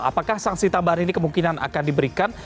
apakah sanksi tambahan ini kemungkinan akan diberikan